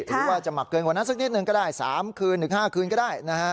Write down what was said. หรือว่าจะหนักเกินกว่านั้นสักนิดนึงก็ได้๓คืนถึง๕คืนก็ได้นะฮะ